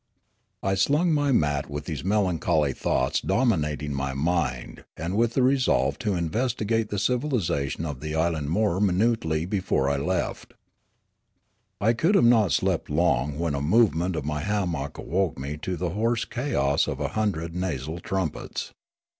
I slung my mat with these melancholy thoughts dominating my mind and with the resolve to inv^esti gate the civilisation of the island more minutely before I left it. I could not have slept long when a movement of my hammock awoke me to the hoarse chaos of a hundred nasal trumpets.